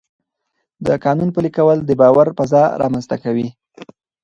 د قانون پلي کول د باور فضا رامنځته کوي